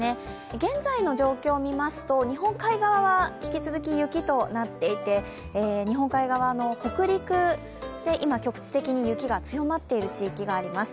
現在の状況を見ますと日本海側は引き続き雪となっていて日本海側の北陸で今局地的に雪が強まっている地域があります。